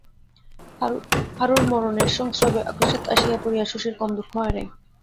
হারুর মরণের সংস্রবে অকস্মাৎ আসিয়া পড়িয়া শশীর কম দুঃখ হয় নাই।